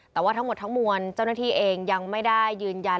แต่ว่าทั้งหมดทั้งมวลเจ้าหน้าที่เองยังไม่ได้ยืนยัน